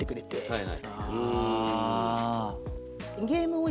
はい。